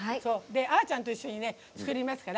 あーちゃんと一緒に作りますから。